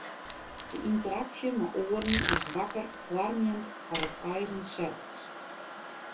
De ynteraksje mei oaren is wakker foarmjend foar it eigen sels.